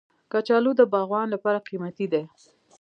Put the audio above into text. کچالو د باغوان لپاره قیمتي دی